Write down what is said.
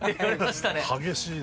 激しいな。